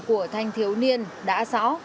của thanh thiếu niên đã rõ